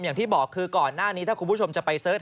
อย่างที่บอกคือก่อนหน้านี้ถ้าคุณผู้ชมจะไปเสิร์ช